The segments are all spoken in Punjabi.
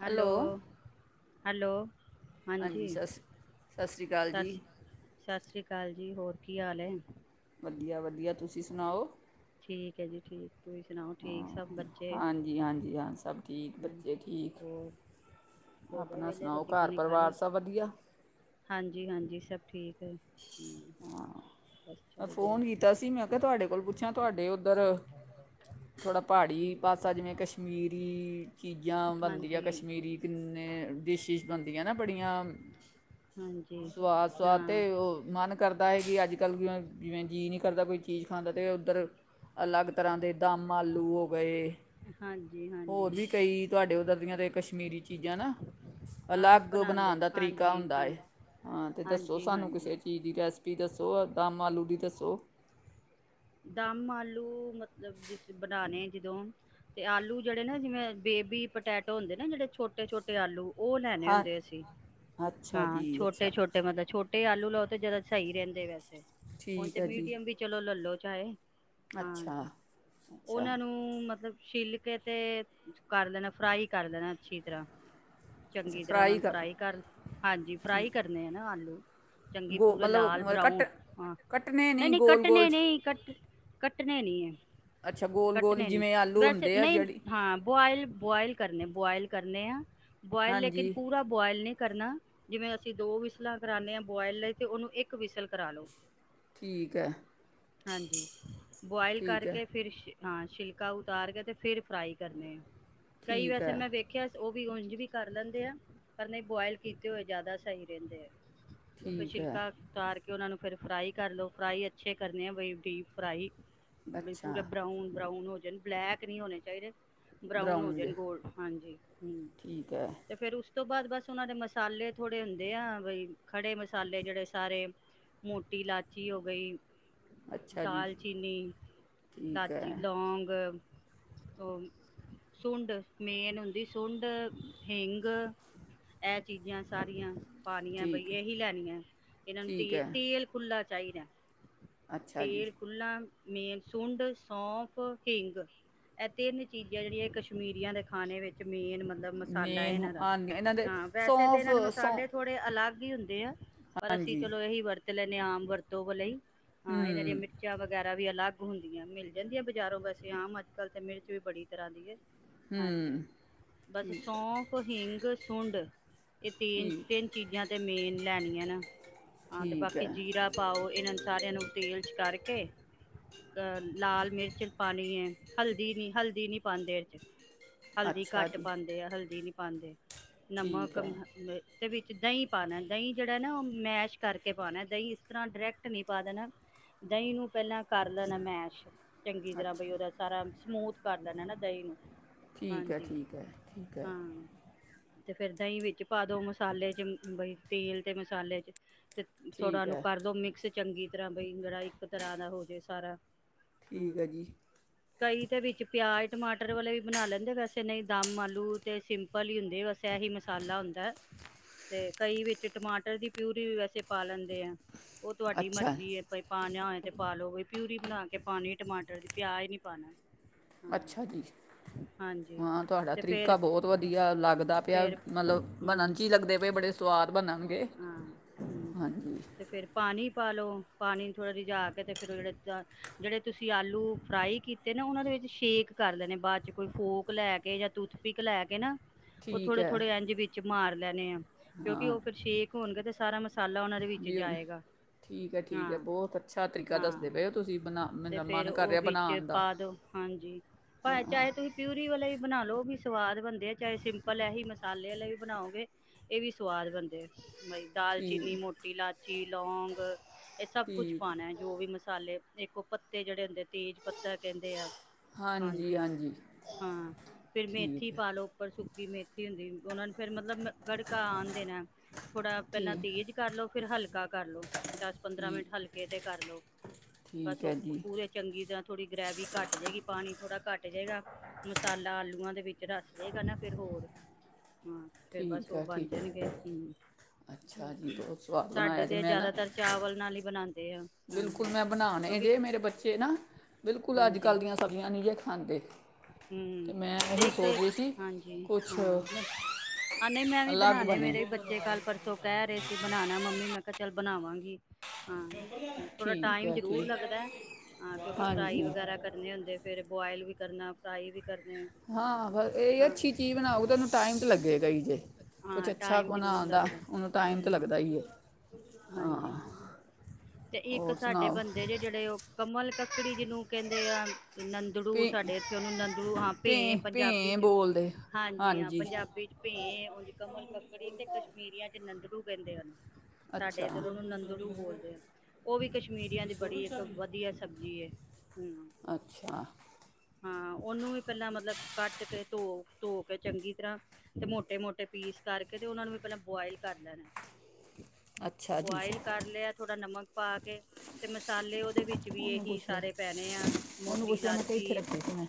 ਹੈਲੋ ਹੈਲੋ ਹਾਂਜੀ ਸ ਸਤਿ ਸ਼੍ਰੀ ਅਕਾਲ ਸਤਿ ਜੀ। ਸ਼੍ਰੀ ਸਤਿ ਸ਼੍ਰੀ ਅਕਾਲ ਜੀ ਹੋਰ ਕੀ ਹਾਲ ਏ? ਵਧੀਆ ਵਧੀਆ ਤੁਸੀਂ ਸੁਣਾਓ। ਠੀਕ ਹੈ ਜੀ ਠੀਕ ਤੁਸੀਂ ਸੁਣਾਓ ਠੀਕ ਸਭ ਬੱਚੇ ਹਾਂਜੀ ਹਾਂਜੀ ਹਾਂ ਸਭ ਠੀਕ ਬੱਚੇ ਠੀਕ ਹੋਰ ਹੋ ਗਏ ਆਪਣਾ ਵੇਲੇ ਸੁਣਾਓ ਰੋਟੀ ਘਰ ਪਾਣੀ ਪਰਿਵਾਰ ਖਾਲੀ ਸਭ ਵਧੀਆ ਹਾਂਜੀ--ਹਾਂਜੀ। ਸਭ ਠੀਕ ਹੈ। ਹਾਂ ਬਸ ਮੈਂ ਚੱਲ ਰਿਹਾ ਫੋਨ ਕੀਤਾ ਸੀ ਮੈਂ ਕਿਹਾ ਤੁਹਾਡੇ ਕੋਲ ਪੁੱਛਾ ਤੁਹਾਡੇ ਨਹੀ ਉਧਰ ਥੋੜਾ ਪਾੜੀ ਪਾਸਾ ਜਿਵੇਂ ਕਸ਼ਮੀਰੀ ਚੀਜ਼ਾਂ ਬਣਦੀਆਂ ਹਾਂਜੀ ਕਸ਼ਮੀਰੀ ਕਿਨੇ ਡੀਸੀਸ਼ ਬਣਦੀਆਂ ਨਾ ਬੜੀਆਂ। ਹਾਂਜੀ ਸੁਵਾਦ-ਸੁਵਾਦ ਤੇ ਹਾਂ ਉਹ ਮਨ ਪਤਾ ਹੈ ਕਿ ਅੱਜ ਕੱਲ੍ਹ ਜਿਵੇਂ ਜਿਵੇਂ ਜੀਅ ਨਹੀਂ ਕਰਦਾ ਕੋਈ ਚੀਜ਼ ਖਾਂਦਾ ਤਾਂ ਉੱਧਰ ਅਲੱਗ ਤਰ੍ਹਾਂ ਦੇ ਦਮ ਆਲੂ ਹੋ ਗਏ ਹਾਂਜੀ ਹੋਰ ਹਾਂਜੀ ਵੀ ਕਈ ਤੁਹਾਡੇ ਉੱਧਰ ਦੀਆਂ ਤਾਂ ਕਸ਼ਮੀਰੀ ਚੀਜ਼ਾਂ ਨਾ ਹਾਂ ਅਲੱਗ ਬਣਾਉਂਦੇ ਬਣਾਉਣ ਦਾ ਤਰੀਕਾ ਹਾਂਜੀ ਹੁੰਦਾ। ਹਾਂਜੀ ਹਾਂ ਤੇ ਦੱਸੋ ਹਾਂਜੀ ਸਾਨੂੰ ਕਿਸੇ ਹਾਂਜੀ ਚੀਜ਼ ਦੀ ਰੈਸਪੀ ਦੱਸੋ ਦਮ ਆਲੂ ਦੀ ਦੱਸੋ। ਉਹ ਦਮ ਆਲੂ ਮਤਲਬ ਜ ਬਣਾਣੇ ਜਦੋਂ ਤੇ ਆਲੂ ਜਿਹੜੇ ਨਾ ਜਿਵੇਂ ਬੇਬੀ ਪਟੈਟੋ ਹੁੰਦੇ ਨਾ ਜਿਹੜੇ ਛੋਟੇ-ਛੋਟੇ ਆਲੂ ਉਹ ਲੈਣੇ ਹਾਂ ਹੁੰਦੇ ਅਸੀਂ ਅੱਛਾ ਹਾਂ ਜੀ ਛੋਟੇ ਅੱਛਾ -ਛੋਟੇ ਮਤਲਬ ਛੋਟੇ ਆਲੂ ਹੁ ਜ਼ਿਆਦਾ ਸਹੀ ਰਹਿੰਦੇ ਵੈਸੇ ਹੁਣ ਠੀਕ ਤੇ ਹੈ ਜੀ ਮੀਡੀਅਮ ਵੀ ਚਲੋ ਲਲੋ ਚਾਹੇ ਅੱਛਾ ਹਾਂਜੀ ਅੱਛਾ ਉਹਨਾਂ ਨੂੰ ਮਤਲਬ ਛਿੱਲ ਕੇ ਤੇ ਕਰ ਦੇਣਾ ਫਰਾਈ ਕਰ ਦੇਣਾ ਅੱਛੀ ਤਰ੍ਹਾਂ ਚੰਗੀ ਤਰ੍ਹਾਂ ਉਹ ਨੂੰ ਫਰਾਈ ਕਰ ਹਾਂਜੀ ਠੀਕ ਫਰਾਈ ਕਰਨੇ ਆ ਨਾ ਆਲੂ ਚੰਗੇ ਗੋ ਪੂਰੇ ਲਾਲ ਮਤਲਬ ਕੱਟ ਬਰਾਊਨ ਹਾਂ ਕੱਟਣੇ ਨਹੀਂ- ਨਹੀਂ ਗੋਲ ਗੋਲ ਕੱਟਣੇ 'ਚ ਨਹੀਂ- ਕਟਣੇ ਨੀ- ਅੱਛਾ ਗੋਲ ਗੋਲ ਹੀ ਕਟਣੇਨੀ ਜਿਵੇਂ ਆਲੂ ਵੈਸੇ ਹੁੰਦੇ ਆ ਨਹੀਂ ਜਿਹੜੀ ਹਾਂ ਬੋਯਲ- ਬੋਯਲ ਬੁਆਇਲ ਕਰਨੇ ਆ- ਬੁਆਇਲ ਲੇਕਨ ਹਾਂਜੀ ਪੂਰਾ ਬੁਆਇਲ ਨਹੀਂ- ਕਰਨਾ ਜਿਵੇਂ ਅਸੀਂ ਦੋ ਵਿਸਲਾਂ ਕਰਾਉਂਦੇ ਹਾਂ ਬੁਆਇਲ ਲਈ ਤੇ ਉਹਨੂੰ ਇੱਕ ਵਿਸਲ ਕਰਾ ਲੋ। ਠੀਕ ਹੈ। ਹਾਂਜੀ ਬੋਆਇਲ ਠੀਕ ਹੈ ਕਰਕੇ ਫਿਰ ਸ਼ ਹਾਂ ਛਿਲਕਾ ਉਤਾਰ ਕੇ ਤੇ ਫਿਰ ਫਰਾਈ ਕਰਨੇ ਆ ਗਈ ਠੀਕ ਵੈਸੇ ਹੈ ਮੈਂ ਵੇਖਿਆ ਉਹ ਵੀ ਉੰਝ ਵੀ ਕਰ ਲੈਂਦੇ ਆ ਪਰ ਨਹੀਂ ਬੁਆਇਲ ਕੀਤੇ ਹੋਏ ਜ਼ਿਆਦਾ ਸਹੀ ਰਹਿੰਦੇ ਆ। ਉਹ ਤਾਂ ਠੀਕ ਹੈ ਸ਼ਿਲਕਾ ਉਤਾਰ ਕੇ ਕਿ ਉਨ੍ਹਾਂ ਨੂੰ ਫਿਰ ਫਰਾਈ ਕਰ ਲੋ ਫਰਾਈ ਅੱਛੇ ਕਰ ਨਯਾ ਬਈ ਡੀਪ ਫ੍ਰਾਈ ਬਈ ਅੱਛਾ ਪੂਰੇ ਬਰਾਊਨ- ਬਰਾਊਨ ਹੋਜ ਬਲੈਕ ਨਹੀਂ ਹੋਣੇ ਚਾਹੀਦੇ। ਬਰਾਊਨ ਹੋ ਜਾਣ ਗੋਲਡ ਹਾਂਜੀ ਹਮ ਠੀਕ ਹੈ ਤੇ ਫਿਰ ਉਸ ਉਸ ਤੋਂ ਬਾਅਦ ਬਸ ਉਹਨਾਂ ਦੇ ਮਸਾਲੇ ਥੋੜ੍ਹੇ ਹੁੰਦੇ ਆ ਬਈ ਖੜੇ ਮਸਾਲੇ ਜਿਹੜੇ ਸਾਰੇ ਮੋਟੀ ਇਲਾਚੀ ਹੋ ਗਈ ਅੱਛਾ ਜੀ ਦਾਲਚੀਨੀ, ਠੀਕ ਹੈ ਲਾਚੀ, ਲੌਗ ਉਹ ਸੁੰਡ ਮੇਨ ਹੁੰਦੀ ਸੁੰਡ, ਹੀਗ ਇਹ ਚੀਜ਼ਾਂ ਸਾਰੀਆਂ। ਪਾਣੀਐ ਬਈ ਠੀਕ ਹੈ, ਇਹੀ ਲੈਣੀ ਹੈ ਇਹਨਾਂ ਨੂੰ ਠੀਕ ਹੈ ਤ ਤੇਲ ਖੁੱਲਾ ਚਾਹੀਦਾ। ਅੱਛਾ ਜੀ ਤੇਲ ਖੁਲਾ ਮੇਨ ਸੁੰਡ, ਸੌਂਫ, ਹਿੰਗ ਇਹ ਤਿੰਨ ਚੀਜ਼ਾਂ ਜਿਹੜੀਆਂ ਕਸ਼ਮੀਰੀਆਂ ਦੇ ਖਾਣੇ ਵਿੱਚ ਜ਼ਮੀਨ ਮਤਲਬ ਮਸਾਲਾ ਹੈ ਮੇਨ ਇਹਨਾਂ ਦਾ ਆ ਇਹਨਾਂ ਦੇ ਹਾਂ ਵੈਸੇ ਤਾਂ ਸੌਂਫ ਇਹਨਾਂ ਦੇ ਸੌਂ ਮਸਾਲੇ ਥੋੜੇ ਅਲੱਗ ਵੀ ਹੁੰਦੇ ਆ। ਪਰ ਅਸੀਂ ਹਾਂਜੀ ਚਲੋ ਇਹੀ ਵਰਤ ਵਰਤ ਲੈਨੇ ਆ ਆਮ ਵਰਤੋਂ ਲਈ। ਹਾਂ ਇਹਨਾਂ ਦੀਆਂ ਮਿਰਚਾਂ ਵਗੈ ਵੀ ਅਲੱਗ ਹੁੰਦੀਆਂ ਮਿਲ ਜਾਂਦੀਆਂ ਬਜ਼ਾਰੋਂ ਵੈਸੇ ਆਮ ਅੱਜ ਕੱਲ ਤੇ ਮਿਰਚ ਵੀ ਬੜੀ ਤਰ੍ਹਾਂ ਦੀ ਹੈ। ਹਾਂਜੀ ਬਸ ਠੀਕ ਸੌਂਫ ਹਿੰਗ, ਸੁੰਡ ਇਹ ਠੀਕ ਤਿੰਨ-ਤਿੰਨ ਚੀਜ਼ਾਂ ਤੇ ਮੇਨ ਲੈਣੀਆਂ ਨਾ ਹਾਂ ਤੇ ਠੀਕ ਬਾਕੀ ਹੈ ਜੀਰਾ ਪਾਓ ਇਹਨਾਂ ਸਾਰਿਆਂ ਨੂੰ ਤੇਲ ਚ ਕਰਕੇ ਅਹ ਲਾਲ ਮਿਰਚ ਪਾਨੀ ਹੈ ਹਲਦੀ ਨੀ, ਹਲਦੀ ਨੀ ਪਾਉਂਦੇ ਇਹਦੇ ਚ। ਹਲਦੀ ਅੱਛਾ ਘੱਟ ਜੀ ਪਾਉਂਦੇ ਆ ਹਲਦੀ ਨੀ ਪਾਂਦੇ। ਠੀਕ ਨਮਕ ਹੈ ਮ ਦੇ ਵਿੱਚ ਦਹੀਂ ਪਾਨਾ ਦਹੀਂ ਜਿਹੜਾ ਨਾ ਉਹ ਮੈਸ਼ ਕਰਕੇ ਪਾਨਾ ਦਹੀਂ ਇਸ ਤਰ੍ਹਾਂ ਡਾਇਰੈਕਟ ਨੀ ਪਾ ਦੇਣਾ ਦਹੀਂ ਨੂੰ ਪਹਿਲਾਂ ਕਰ ਲੈਣਾ ਮੈਸ਼। ਚੰਗੀ ਤਰ੍ਹਾਂ ਅੱਛਾ ਬਈ ਉਹਦਾ ਸਾਰਾ ਸਮੂਥ ਕਰ ਲੈਣਾ ਨਾ ਦਹੀਂ ਨੂੰ। ਠੀਕ ਹਾਂਜੀ ਹੈ-ਠੀਕ ਹੈ, ਠੀਕ ਹੈ। ਹਾਂ ਤੇ ਫਿਰ ਦਹੀਂ ਵਿੱਚ ਪਾ ਦੋ ਮਸਾਲੇ ਚ ਬ ਤੇਲ ਤੇ ਮਸਾਲੇ ਚ। ਤੇ ਥੋੜਾ ਠੀਕ ਉਹਨੂੰ ਹੈ ਕਰਦੋ ਮਿਕਸ ਚੰਗੀ ਤਰ੍ਹਾਂ ਬਈ ਜਿਹੜਾ ਇੱਕ ਤਰ੍ਹਾਂ ਦਾ ਹੋਜੇ ਸਾਰਾ ਹਾਂ ਠੀਕ ਹੈ ਜੀ। ਕਈ ਦੇ ਵਿੱਚ ਪਿਆਜ਼ ਟਮਾਟਰ ਵਾਲੇ ਵੀ ਬਣਾ ਲੈਂਦੇ ਵੈਸੇ ਨਹੀਂ ਦਮ ਆਲੂ ਤੇ ਸਿੰਪਲ ਹੀ ਹੁੰਦੇ ਵੈਸੇ ਇਹੀ ਮਸਾਲਾ ਹੁੰਦਾ ਤੇ ਕਈ ਵਿੱਚ ਟਮਾਟਰ ਦੀ ਪਿਊਰੀ ਵੈਸੇ ਪਾ ਲੈਂਦੇ ਆ ਤੁਹਾਡੀ ਅੱਛਾ ਮਰਜ਼ੀ ਏ ਪਾ ਨਿਆਏ ਤੇ ਪਾਾਲੋ ਵੀ ਪਿਊਰੀ ਬਣਾ ਕੇ ਪਾਉਣੀ ਟਮਾਟਰ ਦੀ ਪਿਆਜ ਨੀ ਪਾਣਾ ਹਾਂ ਅੱਛਾ ਜੀ ਹਾਂਜੀ ਹਾਂ ਤੁਹਾਡਾ ਤੇ ਫੇਰ ਤਰੀਕਾ ਬਹੁਤ ਵਧੀਆ ਲੱਗਦਾ ਪਿਆ ਮਤਲਬ ਬਣਨ ਮਤਲਬ 'ਚ ਹੀ ਲੱਗਦੇ ਪਏ ਬੜੇ ਸਵਾਦ ਬਣਨਗੇ ਦੇ। ਹਾਂਜੀ ਤੇ ਫੇਰ ਪਾਣੀ ਪਾ ਲਓ ਪਾਣੀ ਥੋੜ੍ਹਾ ਰਿਜਾ ਕੇ ਤੇ ਫਿਰ ਜਿਹੜੇ ਜਿਹੜੇ ਤੁਸੀਂ ਆਲੂ ਫਰਾਈ ਕੀਤੇ ਨਾ ਉਹਨਾਂ ਦੇ ਵਿੱਚ ਸ਼ੇਕ ਕਰ ਲਣੇ ਬਾਅਦ ਚ ਕੋਈ ਫੋਕ ਲੈ ਕੇ ਜਾਂ ਟੂਥਪਿਕ ਲੈ ਕੇ ਨਾ ਉਹ ਠੀਕ ਥੋੜੇ ਹੈ ਥੋੜੇ ਇੰਝ ਵਿੱਚ ਮਾਰ ਲੈਣੇ ਹਾਂ ਕਿਉਂਕਿ ਉਹ ਫਿਰ ਸ਼ੇਕ ਹੋਣਗੇ ਤੇ ਸਾਰਾ ਮਸਾਲਾ ਉਹਨਾਂ ਦੇ ਵਿੱਚ ਵੀ ਉਹਨ ਜਾਏਗਾ ਠੀਕ ਹੈ ਠੀਕ ਹਾਂ ਹੈ ਬਹੁਤ ਅੱਛਾ ਤਰੀਕਾ ਹਾਂ ਦੱਸਦੇ ਪਏ ਹੋ ਤੁਸੀਂ ਬਣਾ ਤੇ ਮੇਰਾ ਫੇਰ ਮਨ ਕਰ ਉਹ ਰਿਹਾ ਵਿੱਚ ਬਣਾਉਣ ਦਾ ਪਾ ਦੋ ਹਾਂਜੀ। ਭਾਵੇਂ ਹਾਂ ਚਾਹੇ ਤੁਸੀਂ ਪਿਊਰੀ ਵਾਲਾ ਵੀ ਬਣਾ ਲਓ ਵੀ ਸਵਾਦ ਬਣਦੇ ਆ ਚਾਹੇ ਸਿੰਪਲ ਐਸੀ ਮਸਾਲੇ ਵਾਲੇ ਵੀ ਬਣਾਓਗੇ ਇਹ ਵੀ ਸਵਾਦ ਬਣਦੇ ਆ ਬਈ ਠੀਕ ਦਾਲਚੀਨੀ ਮੋਟੀ ਇਲਾਇਚੀ ਲੌਂਗ ਇਹ ਸਭ ਕੁਛ ਠੀਕ ਪਾਣਾ ਜੋ ਵੀ ਮਸਾਲੇ ਇੱਕ ਉਹ ਪੱਤੇ ਜਿਹੜੇ ਹੁੰਦੇ ਤੇਜ ਪੱਤਾ ਕਹਿੰਦੇ ਆ ਹਾਂਜੀ ਹਾਂ ਫਿਰ ਮੇਥੀ ਠੀਕ ਹੈ, ਪਾ ਲਓ ਉੱਪਰ ਸੁੱਕ ਸੁੱਕੀ ਮੇਥੀ ਹੁੰਦੀ ਉਹਨਾ ਨੂੰ ਫ਼ਿਰ ਮਤਲਬ ਗੜਕਾ ਆਣ ਦੇਣਾ ਥੋੜਾ ਪਹਿਲਾਂ ਠੀਕ ਤੇਜ਼ ਕਰ ਲੋ ਫਿਰ ਹਲਕਾ ਦਸ ਪੰਦਰਾਂ ਠੀਕ ਮਿੰਟ ਹਲਕੇ ਤੇ ਕਰਲੋ ਬਸ ਠੀਕ ਹੈ ਜੀ ਪੂਰੇ ਚੰਗੀ ਤਰ੍ਹਾਂ ਥੋੜੀ ਗ੍ਰੈਵੀ ਘੱਟ ਜਾਏਗੀ ਪਾਣੀ ਥੋੜਾ ਘੱਟ ਜਾਏਗਾ ਮਸਾਲਾ ਆਲੂਆਂ ਦੇ ਵਿੱਚ ਰਚ ਜਾਏਗਾ ਨਾ ਫਿਰ ਹੋਰ ਹਾਂ ਫਿਰ ਬਸ ਠੀਕ ਉਹ ਹੈ ਬਣ ਠੀਕ ਹੈ ਜਾਣਗੇ ਹਮ ਅੱਛਾ ਜੀ ਬਹੁਤ ਸਵਾਦ ਸਾਡੇ ਬਣਾਇਆ ਜੀ ਤੇ ਮੈਂ ਨਾ ਜਿਆਦਾਤਰ ਚਾਵਲ ਨਾਲ ਹੀ ਬਣਾਉਂਦੇ ਆ ਬਿਲਕੁਲ ਹਾਂਜੀ ਮੈਂ ਬਣਾਣੇ ਕਿਉਂਕਿ ਜੇ ਮੇਰੇ ਬੱਚੇ ਨਾ ਬਿਲਕੁਲ ਅੱਜ ਹਾਂਜੀ ਕੱਲ੍ਹ ਦੀਆਂ ਸਬਜ਼ੀਆਂ ਨਹੀਂ ਜਿਹੇ ਖਾਂਦੇ [unintelligible] ਹਮ ਅਤੇ ਮੈਂ ਤੇ ਇਹੀ ਇੱਕ ਸੋਚ ਰਹੀ ਸੀ ਹਾਂਜੀ ਕੁਛ ਹਾਂ ਆ ਨਹੀਂ ਮੈਂ ਵੀ ਅਲੱਗ ਬਣਾਉਣੇ ਬਣੇ ਮੇਰੇ ਵੀ ਬੱਚੇ ਕੱਲ ਪਰਸੋਂ ਕਹਿ ਰਹੇ ਸੀ ਬਣਾਣਾ ਮੰਮੀ ਮੈਂ ਕਿਹਾ ਚੱਲ ਬਣਾਵਾਂਗੀ ਹਾਂ ਥੋੜਾ ਠੀਕ ਟਾਈਮ ਹੈ ਜ਼ਰੂਰ ਠੀਕ ਲੱਗਦਾ ਹਾਂ ਕਿਉਂਕਿ ਫਰਾਈ ਹਾਂਜੀ ਵਗੈਰਾ ਕਰਨੇ ਹੁੰਦੇ ਫਿਰ ਬੋਆਇਲ ਵੀ ਕਰਨਾ ਫਰਾਈ ਵੀ ਕਰਨੇ। ਹਾਂ ਇਹ ਹਾਂ ਅੱਛੀ ਚੀਜ਼ ਬਣਾਓ ਤਾਂ ਉਹਨੂੰ ਟਾਈਮ ਤਾਂ ਲੱਗੇਗਾ ਹੀ ਜੇ ਕੁਛ ਹਾਂ ਅੱਛਾ ਟਾਈਮ ਜ਼ਰੂਰ ਬਣਾਉਣ ਦਾ ਲੱਗਦਾ ਨੂੰ ਟਾਈਮ ਹੂੰ ਤਾਂ ਲੱਗਦਾ ਹੀ ਹੈ ਹਾਂਜੀ। ਹਾਂ ਤੇ ਇੱਕ ਹੋਰ ਸਾਡੇ ਸੁਣਾਓ? ਬੰਦੇ ਜੇ ਜਿਹੜੇ ਉਹ ਕਮਲ ਕ ਕੱਕੜੀ ਜਿਹਨੂੰ ਕਹਿੰਦੇ ਆ ਨੰਦੜੂ ਭੇ ਸਾਡੇ ਇੱਥੇ ਉਹਨੂੰ ਨੰਦੜੂ ਹਾਂ ਭੇ ਪੰਜਾਬੀ ਚ ਹਾਂਜੀ ਹਾਂ ਪੰਜਾਬੀ ਚ ਭੇ ਉਝ ਕਮਲ ਕੱਕੜੀ ਤੇ ਕਸ਼ਮੀਰੀਆਂ ਚ ਨੰਦੜੂ ਕਹਿੰਦੇ ਉਹਨੂੰ ਸਾਡੇ ਅੱਛਾ ਇੱਧਰ ਉਹਨੂੰ ਨੰਦੜੂ ਬੋਲਦੇ ਆ। ਉਹ ਵੀ ਕਸ਼ਮੀਰੀਆਂ ਦੀ ਬੜੀ ਇੱਕ ਵਧੀਆ ਸਬਜ਼ੀ ਏ ਹਮ। ਅੱਛਾ ਹਾਂ ਉਹਨੂੰ ਵੀ ਪਹਿਲਾਂ ਮਤਲਬ ਕੱਟ ਕੇ ਧੋ, ਧੋ ਕੇ ਚੰਗੀ ਤਰ੍ਹਾਂ ਤੇ ਮੋਟੇ-ਮੋਟੇ ਪੀਸ ਕਰਕੇ ਤੇ ਉਹਨਾ ਨੂੰ ਵੀ ਪਹਿਲਾਂ ਬੋਆਇਲ ਕਰ ਲੈਣਾ। ਅੱਛਾ ਜੀ। ਬੁਆਇਲ ਕਰ ਲਿਆ ਥੋੜਾ ਨਮਕ ਪਾ ਕੇ ਤੇ ਮਸਾਲੇ ਉਹਦੇ ਵਿੱਚ ਵੀ ਉਹਨੂੰ ਇਹੀ ਪੁੱਛ ਲੈ, ਸਾਰੇ ਪੈਣੇ ਆ ਉਹਨੂੰ ਮੋਟੀ ਪੁੱਛ ਲੈ, ਮੈਂ ਤਾਂ ਇੱਥੇ ਇਲਾਚੀ ਰੱਖੀ ਸੀ ਮੈਂ।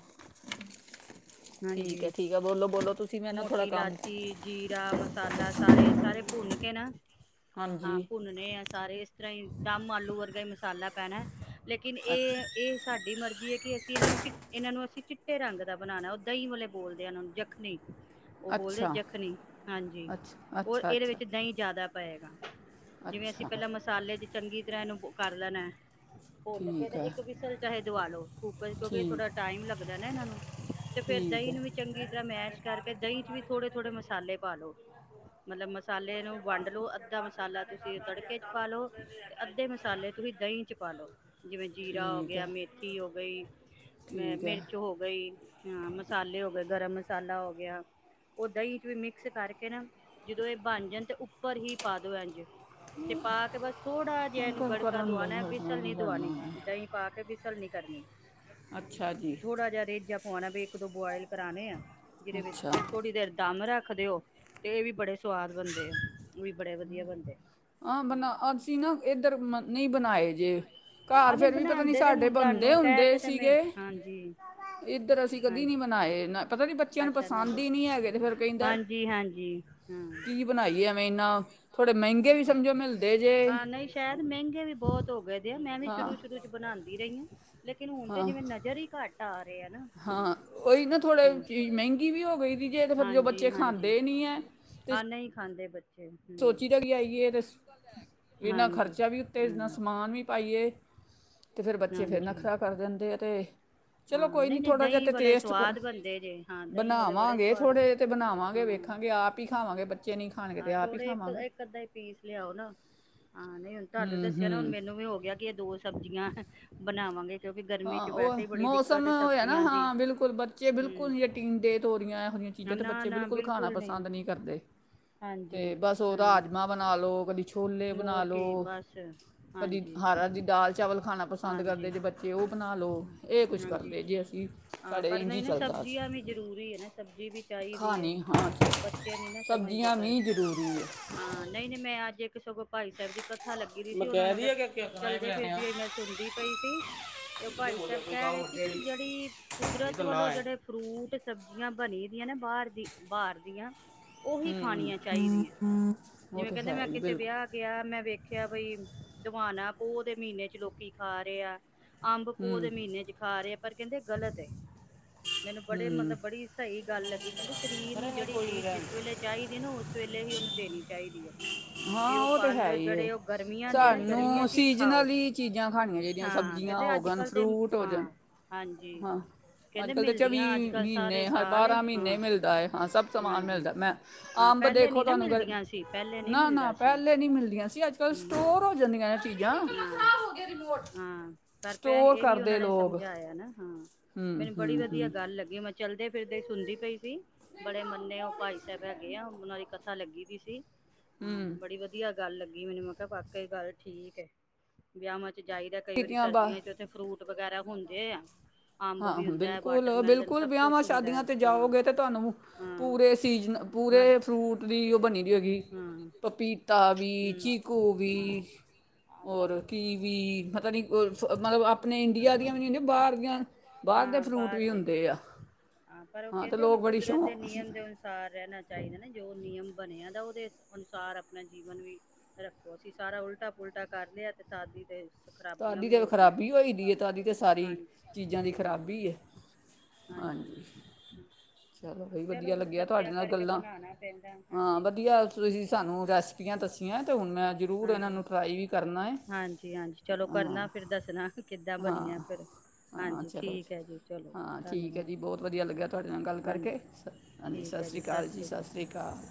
ਠੀਕ ਹੈ, ਹਾਂਜੀ ਠੀਕ ਹੈ ਬੋਲੋ, ਬੋਲੋ। ਤੁਸੀਂ, ਮੈਂ ਨਾ ਥੋੜ੍ਹਾ ਮੋਟੀ ਕੰਮ। ਲਾਚੀ, ਜੀਰਾ, ਮਸਾਲਾ ਸਾਰੇ, ਸਾਰੇ ਭੁੰਨ ਕੇ ਨਾ ਹਾਂਜੀ, ਹਾਂ ਭੁੰਨਨੇ ਆ ਸਾਰੇ ਇਸ ਤਰ੍ਹਾਂ ਹੀ ਦਮ ਆਲੂ ਵਰਗਾ ਹੀ ਮਸ ਮਸਾਲਾ ਪੈਣਾ ਲੇਕਿਨ ਅੱਛਾ ਇਹ-ਇਹ ਸਾਡੀ ਮਰਜ਼ੀ ਹੈ ਕਿ ਅਸੀਂ ਇਹਨਾਂ ਨੂੰ ਚਿ ਇਹਨਾਂ ਨੂੰ ਅਸੀਂ ਚਿੱਟੇ ਰੰਗ ਦਾ ਬਣਾਉਣਾ ਉਹ ਦਹੀਂ ਵਾਲੇ ਬੋਲਦੇ ਆ ਇਹਨਾਂ ਨੂੰ ਜਖਣੀ ਉਹ ਬੋਲਦੇ ਅੱਛਾ ਜਖਣੀ ਹਾਂਜੀ ਅੱਛਾ ਰ ਅੱਛਾ ਇਹਦੇ ਅੱਛਾ ਵਿੱਚ ਦਹੀਂ ਜ਼ਿਆਦਾ ਪਏਗਾ ਜਿਵੇਂ ਅਸੀਂ ਅੱਛਾ, ਪਹਿਲਾਂ ਮਸਾਲੇ ਚ ਚੰਗੀ ਧਰਾਂ ਨੂੰ ਕਰ ਲੈਣਾ। ਭੁੱਲ ਕੇ ਠੀਕ ਤੇ ਹੈ, ਇੱਕ ਵਿਸਲ ਚਾਹੇ ਦਵਾ ਲੋ ਕੂੱਕਰ ਕਿਉਂਕਿ ਠੀਕ ਥੋੜਾ ਟਾਈਮ ਲੱਗਦਾ ਨਾ ਇਹਨਾਂ ਨੂੰ ਤੇ ਫੇਰ ਠੀਕ ਦਹੀਂ ਹੈ, ਨੂੰ ਵੀ ਚੰਗੀ ਤਰ੍ਹਾਂ ਮੈਸ਼ ਇਸ ਕਰਕੇ ਦਹੀਂ ਚ ਵੀ ਥੋੜੇ ਥੋੜੇ ਮਸਾਲੇ ਪਾਲੋ ਮਤਲਬ ਮਸਾਲੇ ਨੂੰ ਵੰਡ ਲੋ ਅੱਧਾ ਮਸਾਲਾ ਤੁਸੀਂ ਤੜਕੇ ਚ ਪਾਲੋ ਤੇ ਅੱਧੇ ਮਸਾਲੇ ਤੁਸੀਂ ਦਹੀਂ ਚ ਪਾਲੋ। ਜਿਵੇਂ ਜੀਰਾ ਹੋ ਠੀਕ ਗਿਆ, ਹੈ। ਮੇਥੀ ਹੋ ਗਈ, ਮ ਠੀਕ ਹੈ ਮਿਰਚ ਹੋ ਗਈ ਹਾਂ ਮਸਾਲੇ ਹੋ ਗਏ ਗਰਮ ਮਸ ਸਾਲਾ ਹੋ ਗਿਆ ਉਹ ਦਹੀਂ ਚ ਵੀ ਮਿਕਸ ਕਰਕੇ ਨਾ ਜਦੋਂ ਇਹ ਬਣ ਜਾਣ ਤੇ ਉਪ ਉੱਪਰ ਹੀ ਪਾ ਦੋ ਇੰਝ ਤੇ ਪਾ ਕੇ ਬਸ ਥੋੜਾ ਜਿਹਾ ਹੁਣ ਇਹਨੂੰ ਕੁਝ ਗੜਕਾ ਕਰਨ ਲਈ ਦਵਾਉਣਾ ਹਟਣਾ ਬਿਸਲ ਨੀ ਨਹੀਂ ਦਵਾਉਣੀ ਕਰਨਾ ਹੈ। ਦਹੀਂ ਪਾ ਕੇ ਬਿਸਲ ਨੀ ਕਰਨੀ। ਅੱਛਾ ਜੀ। ਹੋਣ ਵੀ ਇੱਕ ਦੋ ਬੁਆਇਲ ਕਰਾਣੇ ਆ। ਜਿਹਦੇ ਵਿੱਚ ਅੱਛਾ ਫੇਰ ਥੋੜ੍ਹੀ ਦੇਰ ਦਮ ਰੱਖ ਰੱਖਦੇ ਹੋ ਤੇ ਇਹ ਵੀ ਬੜੇ ਸ ਸਵਾਦ ਬਣਦੇ ਉਹ ਵੀ ਬੜੇ ਵਧੀਆ ਬਣਦੇ। ਹਾਂ ਬਣਾ ਅਸੀਂ ਨਾ ਇੱਧਰ ਮ- ਨਹੀਂ ਬਣਾਏ ਜੇ। ਘਰ ਹਾਂ ਨਹੀਂ ਫਿਰ ਵੀ ਪਤਾ ਨੀ ਬਣਾਉਂਦੇ ਤੇ ਸਾਡੇ ਹੁਣ ਬੰਦੇ ਤੁਹਾਨੂੰ ਕਹਿ ਹੁੰਦੇ ਕੇ ਤੇ ਮੈਂ ਸੀਗੇ ਹਾਂਜੀ ਇੱਧਰ ਅਸੀਂ ਕਦੀ ਨੀ ਹਾਂਜੀ ਬਨਾਏ ਨਾ ਪਤਾ ਨੀ ਬੱਚਿਆਂ ਨੂੰ ਅੱਛਾ ਇਹਨਾਂ ਪਸੰਦ ਦੋ ਹੀ ਨਹੀਂ ਹੈਗੇ ਤੇ ਫਿਰ ਕਹਿੰਦਾ ਹਾਂਜੀ ਹਾਂਜੀ ਹਾਂ ਕੀ ਬਣਾਈ ਐ ਥੋੜੇ ਮਹਿੰਗੇ ਵੀ ਸਮਝੋ ਮਿਲਦੇ ਜੇ ਹਾਂ ਨਹੀਂ ਸ਼ਾਇਦ ਮਹਿੰਗੇ ਵੀ ਬਹੁਤ ਹੋ ਗਏ ਦੇ ਮੈਂ ਵੀ ਹਾਂ ਸ਼ੁਰੂ-ਸ਼ੁਰੂ ਚ ਬਣਾਉਂਦੀ ਰਹੀ ਹਾਂ। ਲੇਕਿਨ ਹੁਣ ਤੇ ਹਾਂ ਜਿਵੇਂ ਨਜ਼ਰ ਹੀ ਘੱਟ ਆ ਰਹੇ ਹ। ਹਾਂ ਉਹੀ ਨਾ ਥੋੜੇ ਚੀਜ਼ ਮਹਿੰਗੀ ਵੀ ਹੋ ਗਈ ਸੀ ਜੇ ਤੇ ਫਿਰ ਜੋ ਹਾਂਜੀ ਬੱਚੇ ਹਾਂਜੀ ਖਾਂਦੇ ਨੀ ਹੈ ਤੇ ਹਾਂ ਨਹੀਂ ਖਾਂਦੇ ਬੱਚੇ ਹਮ ਸੋਚੀ ਤਾਂ ਕਿ ਆਈਏ ਅਤੇ ਇਨਾ ਹਾਂਜੀ ਖਰਚਾ ਵੀ ਉੱਤੇ ਹਾਂ ਇੰਨਾ ਸਮਾਨ ਵੀ ਪਾਈਏ ਅਤੇ ਫਿਰ ਪਾਈਏ ਬੱਚੇ ਫਿਰ ਹਾਂਜੀ ਨਖਰਾ ਕਰ ਦਿੰਦੇ ਆ ਅਤੇ ਚਲੋ ਹਾਂ ਕੋਈ ਨਹੀਂ ਥੋੜ੍ਹਾ ਜਿਹਾ ਦਹੀਂ ਤਾਂ ਵਾਲੇ ਟੇਸਟ ਕਰ ਸਵਾਦ ਬਣਦੇ ਜੇ ਹਾਂ ਦਹੀਂ ਵਾਲੇ ਬੜੇ ਬਣਾਵਾਂਗੇ ਸਵਾਦ ਥੋੜ੍ਹੇ ਜਿਹੇ ਅਤੇ ਬਣਾਵਾਂਗੇ ਹਾਂ ਵੇਖਾਂਗੇ ਆਪ ਹੀ ਖਾਵਾਂਗੇ ਬੱਚੇ ਨਹੀਂ ਖਾਣਗੇ ਹਾਂ ਤਾਂ ਆਪ ਹੀ ਖ ਥੋੜੇ ਇੱਕ ਅੱਧਾ ਹੀ ਪੀਸ ਲਿਆਓ ਨਾ ਹਾਂ ਨਹੀਂ ਹੁਣ ਤੁਹਾਨੂੰ ਹੂੰ ਦੱਸਿਆ ਨਾ ਹੁਣ ਹੂੰ ਮੈਨੂੰ ਵੀ ਹੋ ਗਿਆ ਕਿ ਇਹ ਦੋ ਸ [unintelligible] ਬਣਾਵਾਂਗੇ ਕਿਉਂਕਿ ਗਰਮੀ ਹਾਂ ਚ ਉਹ ਵੈਸੇ ਹੀ ਬੜੀ ਦਿੱਕਤ ਮੌਸਮ ਹੈ ਹੋਇਆ ਨਾ ਸਬਜ਼ੀਆਂ ਦੀ ਹਾਂ ਬਿਲਕੁਲ ਬੱਚੇ ਬਿਲਕੁਲ ਹਮ ਟੀਂਡੇ ਤੋਰੀਆਂ ਇਹੋ ਜਿਹੀਆਂ ਚੀਜ਼ਾਂ ਤਾਂ ਬੱਚੇ ਬਿਲਕੁਲ ਖਾਣਾ ਪਸੰਦ ਨਹੀਂ ਕਰਦੇ ਤੇ ਹਾਂਜੀ ਬਸ ਉਹਦਾ ਹਾਂ ਰਾਜਮਾਂ ਬਣਾ ਲਓ ਕਦੀ ਛੋਲੇ ਬਣਾ ਹੋਰ ਕੀ ਲਉ ਬਸ ਕਦੀ ਹਾਂਜੀ ਹਰ ਹਰ ਦੀ ਦਾਲ ਚਾਵਲ ਖਾਣਾ ਪਸੰਦ ਹਾਂਜੀ ਕਰਦੇ ਜੇ ਬੱਚੇ ਬਣਾ ਲੋ ਹਾਂਜੀ ਹਾਂ ਪਰ ਇੰਜ ਹੀ ਨਹੀਂ ਨਾ ਚੱਲਦਾ ਅੱਜ ਸਬਜ਼ੀਆਂ ਵੀ ਜ਼ਰੂਰੀ ਹੈ ਨਾ ਸਬਜ਼ੀ ਵੀ ਚਾਹੀਦੀ ਹੈ ਖਾਣੀ ਹਾਂ ਜੀ। ਬੱਚੇ ਨੀ ਨਾ ਸਮਝਦੇ ਸਬਜ਼ੀਆਂ ਪਰ ਵੀ ਜ਼ਰੂਰੀ ਹੈ ਹਾਂ ਨਹੀਂ ਨਹੀਂ ਮੈਂ ਅੱਜ ਸਗੋਂ ਭਾਈ ਸਾਹਿਬ ਦੀ ਕਥਾ ਲੱਗੀ ਦੀ ਸੀ ਉਹਨਾਂ ਨੂੰ ਮਤਲਬ ਚਲਦੇ ਫਿਰਦੀ ਹੋਈ ਮੈਂ ਸੁਣਦੀ ਪਈ ਸੀ ਤੇ ਉਹ ਭਾਈ ਸਾਹਿਬ ਕਹਿ ਰਹੇ ਸੀ ਕਿ ਜਿਹੜੀ ਕੁਦਰਤ ਵੱਲੋਂ ਜਿਹੜੇ ਫਰੂਟ ਸਬਜ਼ੀਆਂ ਬਣੀ ਦੀ ਬਾਹਰ ਦੀ ਬਾਹਰ ਦੀਆਂ ਉਹੀ ਖਾਣੀਆ ਚਾਹੀਦੀਆਂ ਉਹ ਜਿਵੇਂ ਤੇ ਕਹਿੰਦੇ ਹੈ ਮੈਂ ਹੀ ਕਿਸੇ ਬਿਲਕੁਲ ਵਿਆਹ ਗਿਆ ਮੈਂ ਵੇਖਿਆ ਬਈ ਹਦਵਾਣਾ ਪੋਹ ਦੇ ਮਹੀਨੇ ਚ ਲੋਕੀ ਖਾ ਰਹੇ ਆ ਅੰਬ ਪੋਹ ਦੇ ਹੂੰ ਮਹੀਨੇ ਖਾ ਰਹੇ ਆ ਪਰ ਕਹਿੰਦੇ ਗਲਤ ਮੈਨੂੰ ਬੜੇ ਹੂੰ ਮਤਲਬ ਬੜੀ ਸਹੀ ਗੱਲ ਲੱਗੀ ਕਹਿੰਦੇ ਸਰੀਰ ਨੂੰ ਜਿਹੜੀ ਚੀਜ਼ ਜਿਸ ਵੇਲੇ ਚਾਹੀਦੀ ਨਾ ਉਸ ਵੇਲੇ ਹੀ ਉਹਨੂੰ ਦੇਣੀ ਚਾਹੀਦੀ ਹੈ ਜੇ ਹਾਂ ਉਹ ਤੇ ਹੈ ਫਲ ਹੀ ਹੈ ਜਿਹੜੇ ਉਹ ਗਰਮੀਆਂ ਦੇ ਆ ਨਾ ਗਰਮੀਆਂ ਸਾਨੂੰ ਚ ਹੀ ਖਾਓ ਸੀਜ਼ਨਲੀ ਚੀਜ਼ਾਂ ਹਾਂ ਕਹਿੰਦੇ ਅੱਜ [unintelligible] ਕੱਲ ਤੇ ਫਰੂਟ ਜਾ ਹਾਂ ਹਾਂਜੀ ਹਾਂ ਅੱਜ ਕਹਿੰਦੇ ਕੱਲ੍ਹ ਤਾਂ ਚੌਵੀ ਮਿਲਦੀਆਂ ਅੱਜ ਕੱਲ ਸਾਰੇ ਮਹੀਨੇ ਸਾਲ ਬਾਰਾਂ ਮਹੀਨੇ ਹਾਂ ਮਿਲਦਾ ਹੈ ਹਾਂ ਸਭ ਸਮਾਨ ਹਾਂਜੀ ਮਿਲਦਾ ਮੈਂ ਹਾਂ ਅੰਬ ਪਹਿਲੇ ਨੀ ਦੇਖੋ ਨਾ ਤੁਹਾਨੂੰ ਮਿਲਦੀਆਂ ਸੀ ਪਹਿਲੇ ਨੀ ਨਾ ਨਾ ਮਿਲਦਾ ਸੀ। ਪਹਿਲੇ ਨਹੀਂ ਮਿਲਦੀਆਂ ਸੀ ਅੱਜ ਕੱਲ੍ਹ ਹੂੰ ਸਟੋਰ ਹੋ ਜਾਂਦੀਆਂ ਚੀਜ਼ਾਂ ਹਾਂ ਹਾਂ ਪਰ ਪ ਸਟੋਰ ਇਹੀ ਕਰਦਾ ਉਹਨਾਂ ਨੇ ਸਮਝਾਇਆ ਨਾ ਹਾਂ ਮੈਨੂੰ ਹੂੰ ਬੜੀ ਵਧੀਆ ਹੂੰ ਗੱਲ ਲੱਗੀ ਮੈਂ ਚੱਲਦੇ ਫਿਰਦੇ ਸੁਣਦੀ ਪਈ ਸੀ ਬੜੇ ਮੰਨੇ ਉਹ ਭਾਈ ਸਾਹਿਬ ਹੈਗੇ ਆ ਉਹਨਾਂ ਦੀ ਕਥਾ ਲੱਗੀ ਦੀ ਸੀ [unintelligible] ਹਾਂ ਤੇ ਹੂੰ ਬੜੀ ਵਧੀਆ ਗੱਲ ਲੱਗੀ ਮੈਨੂੰ ਮੈਂ ਕਿਹਾ ਵਾਕਿਆ ਇਹ ਗੱਲ ਠੀਕ ਹੈ ਵਿਆਹ ਜਾਈਦਾ ਕਈ ਵਾਰੀ ਕੀਤੀਆਂ ਬਾ ਸਰਦੀਆਂ ਚ ਉੱਥੇ ਫਰੂਟ ਵਗੈਰਾ ਹੁੰਦੇ ਆ। ਅੰਬ ਹਾਂ ਵੀ ਹੁੰਦਾ ਹੈ, ਵਾਟਰਮੈਲਨ ਬਿਲਕੁਲ-ਬਿਲਕੁਲ ਸਭ ਵਿਆਹਵਾਂ ਕੁਛ ਹੁੰਦਾ ਸ਼ਾਦੀਆਂ ਹੈ ਤੇ ਹਾਂ। ਜਾਓਗੇ ਤੇ ਤੁਹਾਨੂੰ ਪੂਰੇ ਸੀਜ਼ਨ ਤੁਹਾਨੂੰ ਪੂਰੇ ਫਰੂਟ ਦੀ ਉਹ ਬਣੀ ਦੀ ਹੋਏਗੀ ਪਪੀਤਾ ਕਾਲੀ ਚਿਰ ਹੋ ਗਈ ਔਰ ਟੀਵੀ ਵੀ, ਚੀਕੂ ਪਤਾ ਵੀ ਨੀ ਮਤਲਬ ਔਰ ਆਪਣੇ ਕੀਵੀ ਪਤਾ ਨੀ ਮਤਲਬ ਆਪਣੇ ਇੰਡੀਆ ਵੀ ਨੇ ਬਾਹਰ ਦੀਆਂ ਬਾਹਰ ਦੇ ਹਾਂ ਫਰੂਟ ਬਾਹਰ ਵੀ ਦੇ, ਹੁੰਦੇ ਆ ਹਾਂ ਪਰ ਉਹ ਤੇ ਕਹਿੰਦੇ ਉਹਨ ਲੋਕ ਬੜੀ ਕੁਦਰਤ ਦੇ ਸ਼ੌਂਕ ਨਿਯਮ ਦੇ ਅਨੁਸਾਰ ਰਹਿਣਾ ਚਾਹੀਦਾ ਨਾ ਜੋ ਨਿਯਮ ਬਣਿਆ ਦਾ ਉਹਦੇ ਅਨੁਸਾਰ ਆਪਣਾ ਜੀਵਨ ਵੀ ਰੱਖੋ ਅਸੀਂ ਸਾਰਾ ਉਲਟਾ-ਪੁਲਟਾ ਕਰ ਲਿਆ ਤੇ ਤਦ ਈ ਤੇ ਖਰਾਬੀਆਂ ਤੁਹਾਡੀ ਵੀ ਤੇ ਹੋ ਰਹੀਆਂ। ਖਰਾਬੀ ਹੋਈ ਤੁਹਾਡੀ ਤੇ ਸਾਰੀ ਹਾਂਜੀ ਚੀਜ਼ਾਂ ਦੀ ਹੂੰ ਖ਼ਰਾਬੀ ਹੈ ਹਾਂਜੀ ਚਲੋ ਬ ਵਧੀਆ ਫਿਰ ਲੱਗਿਆ ਤੁਹਾਡੇ ਬੱਚਿਆਂ ਨਾਲ ਕਰਕੇ ਗੱਲਾਂ ਬਣਾਣਾ ਪੈਂਦਾ ਹਾਂ ਹਾਂਜੀ। ਵਧੀਆ ਤੁਸੀਂ ਸਾਨੂੰ ਹਾਂਜੀ ਰੈਸਪੀਆਂ ਦੱਸੀਆਂ ਤੇ ਹੁਣ ਮੈਂ ਜ਼ਰੂਰ ਇਹਨਾਂ ਹਾਂਜੀ ਨੂੰ ਟਰਾਈ ਵੀ ਕਰਨਾ ਏ। ਹਾਂਜੀ ਹਾਂਜੀ ਚਲੋ ਕਰਨਾ ਫੇਰ ਦੱਸਨਾ। ਹਾਂ-ਹਾਂ ਚਲੋ ਹੈ ਜੀ ਚਲੋ ਜੀ ਹਾਂ ਠੀਕ ਹੈ ਧੰਨਵਾਦ ਜੀ ਬਹੁਤ ਵਧੀਆ ਲੱਗਿਆ ਤੁਹਾਡੇ ਨਾਲ ਗੱਲ ਕਰਕੇ ਹਾਂਜੀ ਸ ਹਾਂਜੀ ਸਤਿ ਸ਼੍ਰੀ ਕਾਲ ਜੀ, ਸਤਿ ਸ਼੍ਰੀ ਕਾਲ।